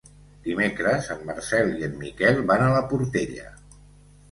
Dimecres en Marcel i en Miquel van a la Portella.